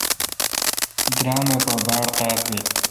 درم اے° پہ باڑ قاد بل۔